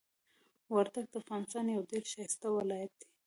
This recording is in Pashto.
وردګ د افغانستان یو ډیر ښایسته ولایت ده.